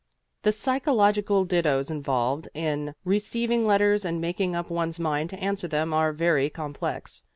The psychological didoes involved in receiving letters and making up one's mind to answer them are very complex.